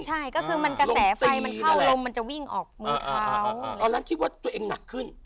ใช่ก็คือมันกระแสไฟมันเข้าลมมันจะวิ่งออกมือเท้าตอนนั้นคิดว่าตัวเองหนักขึ้น